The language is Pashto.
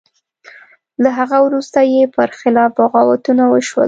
له هغه وروسته یې په خلاف بغاوتونه وشول.